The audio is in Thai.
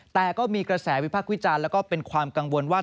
แต่ก็มีกระแสวิพักษ์วิจารณ์แล้วก็เป็นความกังวลว่า